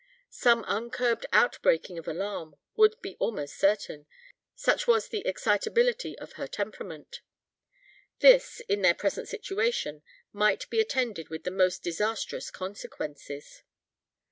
Some uncurbed outbreaking of alarm would be almost certain, such was the excitability of her temperament. This, in their present situation, might be attended with the most disastrous consequences.